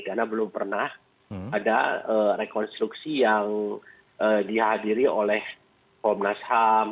karena belum pernah ada rekonstruksi yang dihadiri oleh komnas ham